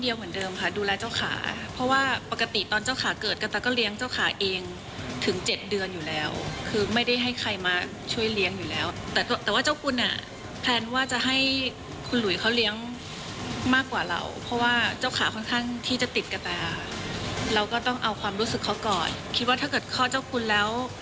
เหมือนเดิมค่ะดูแลเจ้าขาเพราะว่าปกติตอนเจ้าขาเกิดกระตาก็เลี้ยงเจ้าขาเองถึงเจ็ดเดือนอยู่แล้วคือไม่ได้ให้ใครมาช่วยเลี้ยงอยู่แล้วแต่แต่ว่าเจ้าคุณอ่ะแพลนว่าจะให้คุณหลุยเขาเลี้ยงมากกว่าเราเพราะว่าเจ้าขาค่อนข้างที่จะติดกระตาเราก็ต้องเอาความรู้สึกเขาก่อนคิดว่าถ้าเกิดคลอดเจ้าคุณแล้ว